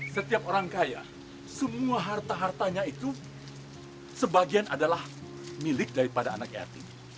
setiap orang kaya semua harta hartanya itu sebagian adalah milik daripada anak yatim